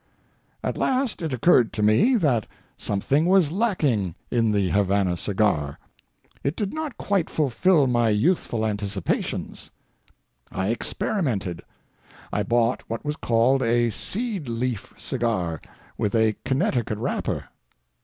At last it occurred to me that something was lacking in the Havana cigar. It did not quite fulfil my youthful anticipations. I experimented. I bought what was called a seed leaf cigar with a Connecticut wrapper.